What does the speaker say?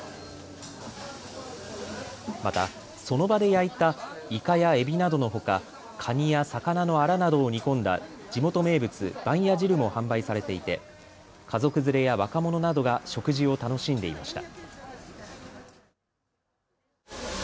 またその場で焼いたイカやエビなどのほか、カニや魚のあらなどを煮込んだ地元名物、番屋汁も販売されていて家族連れや若者などが食事を楽しんでいました。